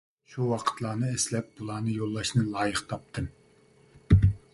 شۇ ۋاقىتلارنى ئەسلەپ بۇلارنى يوللاشنى لايىق تاپتىم.